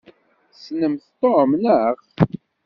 Tessnemt Tom, naɣ?